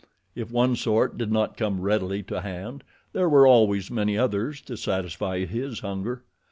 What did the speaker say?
If one sort did not come readily to hand, there were always many others to satisfy his hunger.